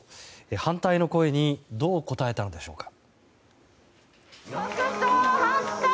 反対の声にどう答えたのでしょうか。